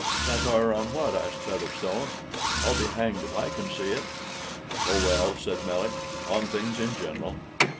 "Satire on what?" asked Featherstone. "I'll be hanged if I can see it." "Oh, well," said Melick, "on things in general.